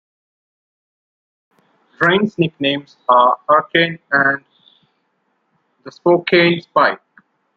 Draine's nicknames are "Hurricane" and "The Spokane Spike".